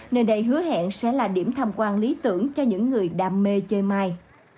nơi đây hứa hẹn sẽ là điểm tham quan lý tưởng cho những người đam mê chơi mai